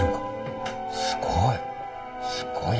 すごい！